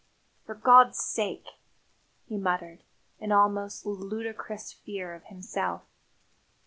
"For God's sake !" he muttered, in almost ludicrous fear of himself.